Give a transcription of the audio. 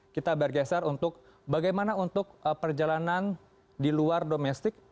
kita bergeser untuk bagaimana untuk perjalanan di luar domestik